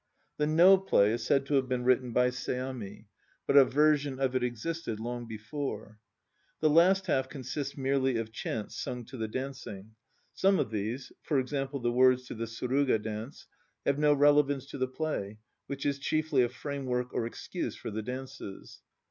The No play is said to have been written by Seami, but a version of it existed long before. The last half consists merely of chants sung to the dancing. Some of these (e. g. the words to the Suruga Dance) have no relevance to the play, which is chiefly a framework or excuse for the dances.